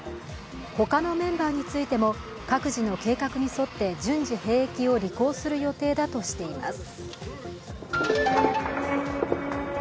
他のメンバーについても、各自の計画に沿って、順次兵役を履行する予定だとしています。